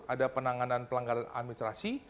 ada penanganan pelanggaran administrasi